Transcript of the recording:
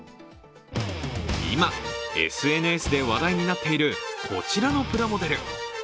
今、ＳＮＳで話題になっているこちらのプラモデル。